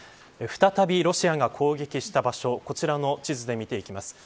再びロシアが攻撃した場所こちらの地図で見ていきます。